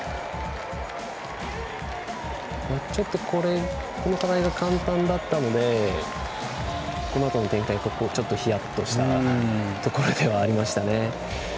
ちょっと、この課題が簡単だったのでこのあとの展開、ちょっとヒヤッとしたところではありましたね。